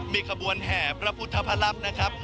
มีขบวนแห่พระพุทธพระลักษณ์นะครับ